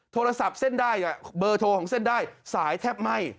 โทรศัพท์เส้นได้เบอร์โทรของเส้นได้สายแทบไหม้